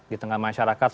di tengah masyarakat